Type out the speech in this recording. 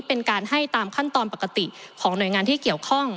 เป็นการให้ตามขั้นตอนปกติของหน่วยงานที่เกี่ยวข้อง